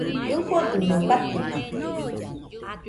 ɨfodɨmɨe fatɨmakɨ